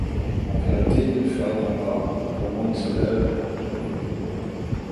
En vérité, ne ferait-on pas, pour moins que cela, le Tour du Monde?